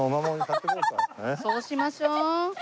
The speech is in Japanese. そうしましょう。